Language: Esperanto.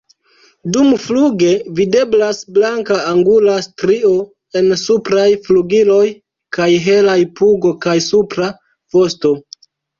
Dumfluge videblas blanka angula strio en supraj flugiloj kaj helaj pugo kaj supra vosto.